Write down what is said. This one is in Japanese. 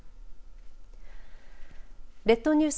列島ニュース